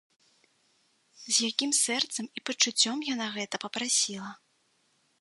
З якім сэрцам і пачуццём яна гэта папрасіла!